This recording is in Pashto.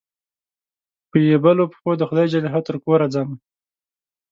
په يبلو پښو دخدای ج ترکوره ځمه